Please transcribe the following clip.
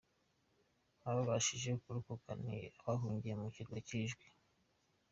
Ababashije kurokoka ni abahungiye ku kirwa cy’Ijwi.